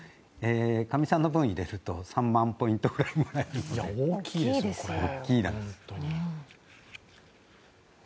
かみさんの分も入れると３万ポイントぐらいもらえるので、大きいですね。